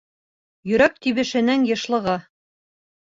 Йөрәк тибешенең йышлығы.